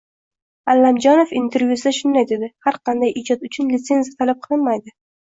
Allamjonov intervyusida shunday dedi: "Har qanday ijod uchun litsenziya talab qilinmaydi